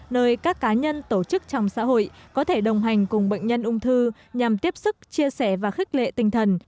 nơi các cá nhân tổ chức trong xã hội có thể đồng hành cùng bệnh nhân ung thư nhằm tiếp sức chia sẻ và khích lệ tinh thần